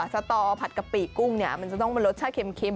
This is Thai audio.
สตอผัดกะปิกุ้งเนี่ยมันจะรสชาติเข็ม